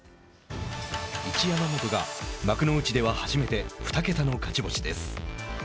一山本が幕内では初めて二桁の勝ち星です。